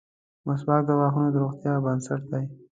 • مسواک د غاښونو د روغتیا بنسټ دی.